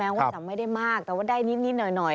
ว่าจะไม่ได้มากแต่ว่าได้นิดหน่อย